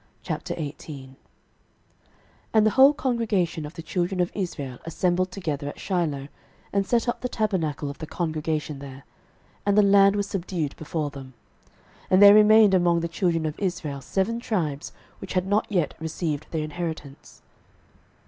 06:018:001 And the whole congregation of the children of Israel assembled together at Shiloh, and set up the tabernacle of the congregation there. And the land was subdued before them. 06:018:002 And there remained among the children of Israel seven tribes, which had not yet received their inheritance.